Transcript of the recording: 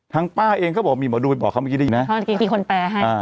ทางป้าเองก็บอกมีหมอดูบอกเขาเมื่อกี้ได้ยินนะ